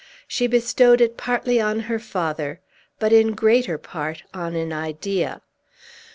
She bestowed it partly on her father, but in greater part on an idea.